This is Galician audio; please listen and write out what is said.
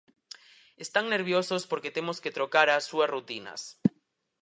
Están nerviosos porque temos que trocar as súas rutinas.